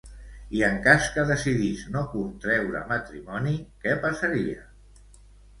I en cas que decidís no contreure matrimoni, què passaria?